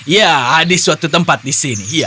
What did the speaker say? ya ada suatu tempat di sini